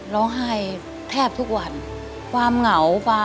เมาะมันควรได้อย่างไร